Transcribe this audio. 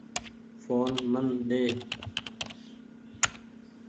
ڦون من ۮي۔